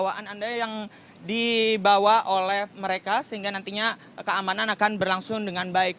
bawaan anda yang dibawa oleh mereka sehingga nantinya keamanan akan berlangsung dengan baik